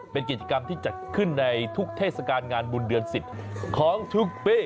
เป็นกิจกรรมที่จัดขึ้นในทุกเทศกาลงานบุญเดือน๑๐ของทุกปี